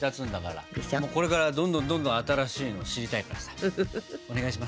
これからどんどんどんどん新しいの知りたいからさお願いします。